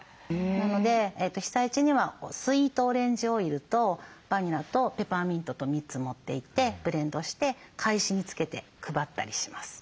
なので被災地にはスイートオレンジオイルとバニラとペパーミントと３つ持っていってブレンドして懐紙に付けて配ったりします。